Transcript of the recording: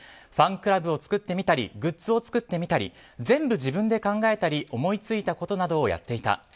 ファンクラブを作ってみたりグッズを作ってみたり全部自分で考えたり思いついたことなどをやっていた。